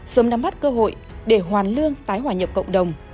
sớm nắm bắt cơ hội để hoàn lương tái hòa nhập cộng đồng